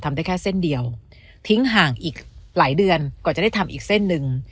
ได้แค่เส้นเดียวทิ้งห่างอีกหลายเดือนกว่าจะได้ทำอีกเส้นหนึ่ง